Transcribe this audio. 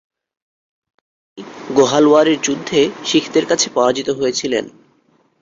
তিনি গোহালওয়ারের যুদ্ধে শিখদের কাছে পরাজিত হয়েছিলেন।